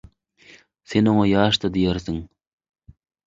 Sen oňa ýaşdy diýersiň